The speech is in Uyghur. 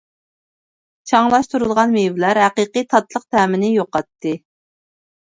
چاڭلاشتۇرۇلغان مېۋىلەر ھەقىقىي تاتلىق تەمىنى يوقاتتى.